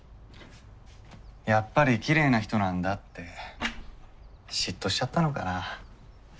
やっぱりきれいな人なんだって嫉妬しちゃったのかな。